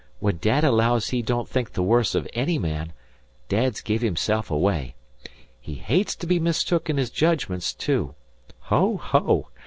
When Dad allows he don't think the worse of any man, Dad's give himself away. He hates to be mistook in his jedgments too. Ho! ho!